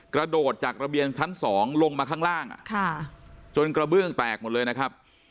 กระโดดจากระเบียงชั้น๒ลงมาข้างล่างจนกระเบื้องแตกหมดเลยนะครับ